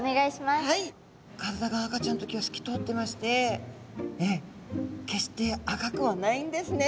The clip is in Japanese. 体が赤ちゃんの時はすき通ってまして決して赤くはないんですね